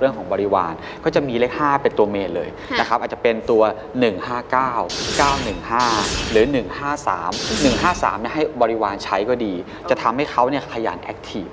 ๑๕๓นี่ให้บริวารใช้ก็ดีจะทำให้เขาพยายามแอคทีฟ